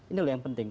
ini yang penting